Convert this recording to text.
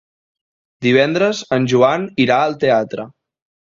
Divendres en Joan irà al teatre.